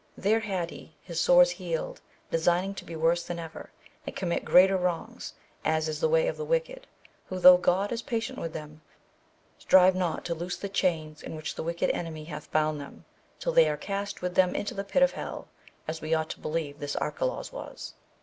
There had he his sores healed, designing to be worse than ever, and commit greater wrongs, as is the way of the wicked, who, though God is patient with them, strive not to loose the chains in which the wicked enemy hath bound them, till they are cast with them into the pit of hell, as we ought to believe this Arcalaus was.